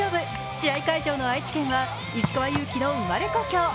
試合会場の愛知県は石川祐希の生まれ故郷。